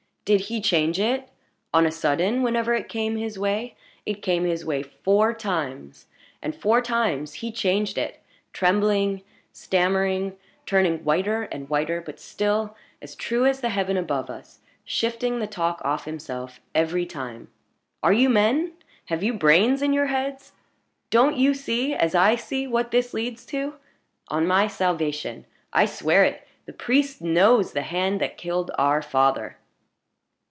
Did he change it on a sudden whenever it came his way? It came his way four times; and four times he changed it trembling, stammering, turning whiter and whiter, but still, as true as the heaven above us, shifting the talk off himself every time! Are you men? Have you brains in your heads? Don't you see, as I see, what this leads to? On my salvation I swear it the priest knows the hand that killed our father!"